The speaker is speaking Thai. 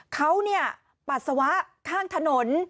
เขาเนี่ยปรัสสาวะข้างถนน